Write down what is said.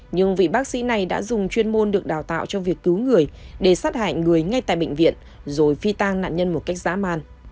nhưng vị bác sĩ này đã dùng chuyên môn được đào tạo cho việc cứu người để sát hại người ngay tại bệnh viện rồi phi tang nạn nhân một cách dã man